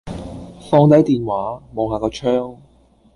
放低電話，望下個窗